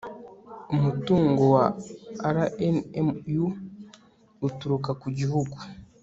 Umutungo wa RNMU uturuka ku gihugu